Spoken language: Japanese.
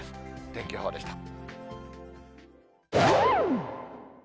天気予報でした。